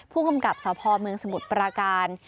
ผู้กำกับสพเมืองสมุทรปราการ